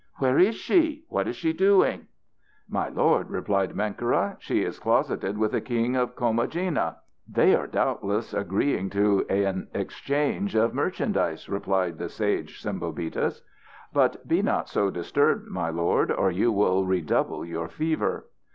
"Where is she? What is she doing?" "My lord," replied Menkera, "she is closeted with the King of Comagena." "They are doubtless agreeing to an exchange of merchandise," added the sage Sembobitis. "But be not so disturbed, my lord, or you will redouble your fever."